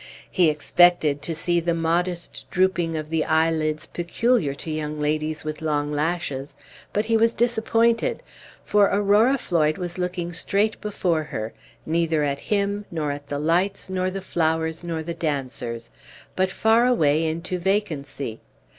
He expected to see the modest drooping of the eyelids peculiar to young ladies with long lashes, but he was disappointed; for Aurora Floyd was looking straight before her, neither at him, nor at the lights, nor the flowers, nor the dancers, but far away into vacancy.